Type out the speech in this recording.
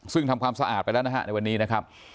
ซึ่งทำความสะอาดไปแล้วนะฮะในวันนี้นะครับ